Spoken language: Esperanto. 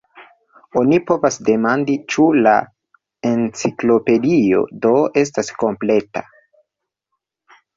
Oni povas demandi, ĉu la Enciklopedio do estas kompleta?